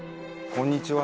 こんにちは。